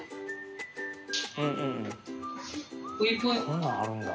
こんなんあるんだ。